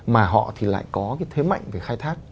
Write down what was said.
mà họ thì lại có cái thế mạnh về khai thác